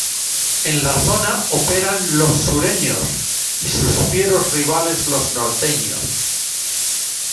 En la zona operan los Sureños y sus fieros rivales los Norteños.